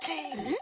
ん？